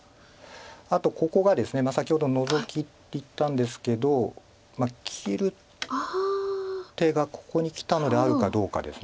あとここがですね先ほどノゾキって言ったんですけど切る手がここにきたのであるかどうかです。